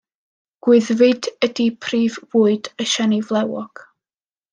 Gwyddfid ydy prif fwyd y siani flewog.